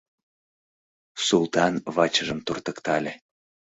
— Султан вачыжым туртыктале.